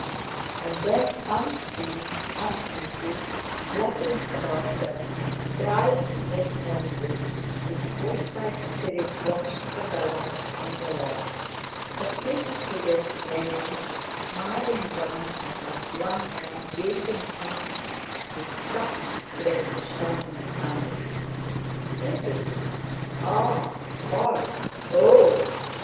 And then unseen, uneasy, flapping above them, trying to make noises, his Forsyte spirit watched her balanced on the log, her pretty figure swaying, smiling down at that young man gazing up with such strange, shining eyes, slipping now—a—ah! falling, o—oh!